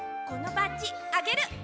このバッジあげる。